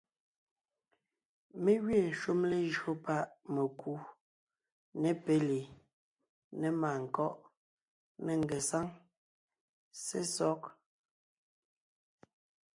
Mé gẅiin shúm lejÿo páʼ mekú , ne péli, ne màankɔ́ʼ, ne ngesáŋ, sesɔg;